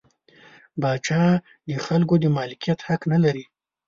پاچا د خلکو د مالکیت حق نلري.